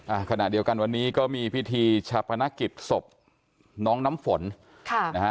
อ่าขณะเดียวกันวันนี้ก็มีพิธีชาปนกิจศพน้องน้ำฝนค่ะนะฮะ